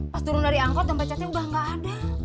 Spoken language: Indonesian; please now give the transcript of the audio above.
pas turun dari angkot dompetnya udah gak ada